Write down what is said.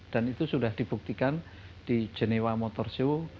dan itu sudah dibuktikan di genewa motor show